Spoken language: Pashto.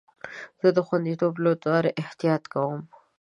زه د خوندیتوب لپاره احتیاط کوم.